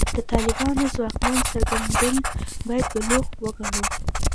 د طالبانو ځواکمن څرګندېدل باید بلوغ وګڼو.